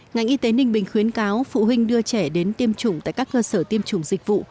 ngành y tế ninh bình khuyến cáo phụ huynh đưa trẻ đến tiêm chủng tại các cơ sở tiêm chủng dịch vụ